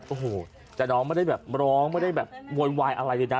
โอ้โหแต่น้องไม่ได้แบบร้องไม่ได้แบบโวยวายอะไรเลยนะ